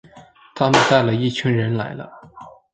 他们带了一群人来了